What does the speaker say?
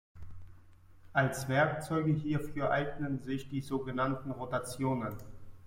Als Werkzeuge hierfür eignen sich die sogenannten Rotationen.